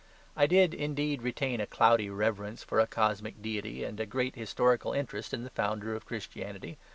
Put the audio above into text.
I did, indeed, retain a cloudy reverence for a cosmic deity and a great historical interest in the Founder of Christianity.